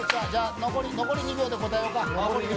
残り２秒で答えようか。